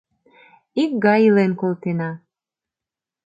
Икгай илен колтена.